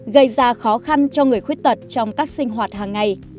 gây ra khó khăn cho người khuyết tật trong các sinh hoạt hàng ngày